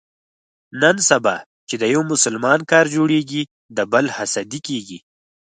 نن سبا چې د یو مسلمان کار جوړېږي، د بل حسدي کېږي.